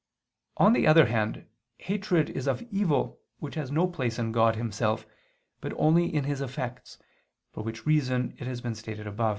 On the other hand, hatred is of evil, which has no place in God Himself, but only in His effects, for which reason it has been stated above (A.